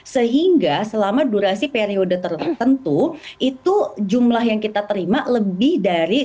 sehingga selama durasi periode tertentu itu jumlah yang kita terima lebih dari tujuh ratus lima puluh juta